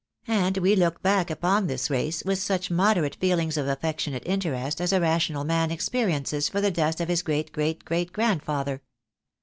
And we look back upon this race with such moderate feelings of affectionate interest as a rational man experiences for the dust of his great great great grandfather.